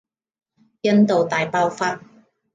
印度大爆發